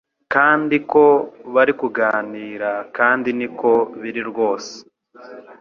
Kandi ko bari kuganira kandi niko biri rwose